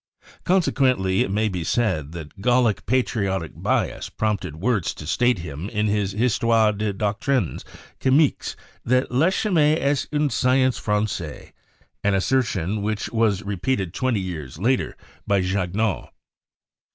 Consequently, it may be said that Gallic patriotic bias prompted Wurtz to state in his "Histoire des Doctrines Chimiques" that "La chimie est une science franchise" — an assertion which was repeated twenty years later by Jagnaux.